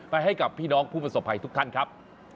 ให้กับพี่น้องผู้ประสบภัยทุกท่านครับ